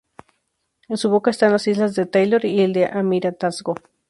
En su boca están las islas de Taylor y del Almirantazgo.